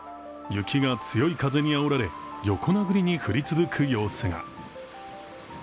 雪が強い風にあおられ横殴りに降り続く様子が。